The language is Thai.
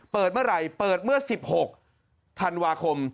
เปิดเมื่อไหร่เปิดเมื่อ๑๖ธันวาคม